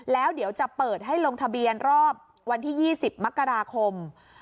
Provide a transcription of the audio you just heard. แล้วเดี๋ยวจะเปิดให้ลงทะเบียนรอบวันที่๒๐มกราคม